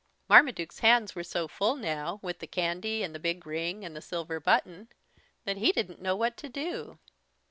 Marmaduke's hands were so full now, with the candy and the big ring and the silver button, that he didn't know what to do.